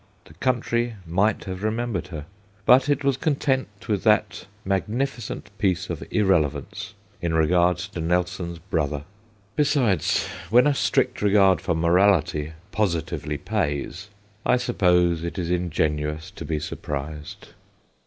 The country might have remem bered her, but it was content with that magnificent piece of irrelevance in regard to Nelson's brother. Besides, when a strict regard for morality positively pays ... I suppose it is ingenuous to be surprised.